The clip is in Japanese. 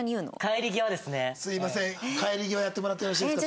すいません帰り際やってもらってよろしいですか？